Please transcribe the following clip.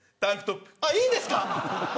あっ、いいんですか。